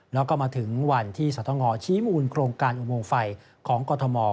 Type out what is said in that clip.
แล้วก็มาถึงวันที่สตงชี้มูลโครงการอุโมงไฟของกรทม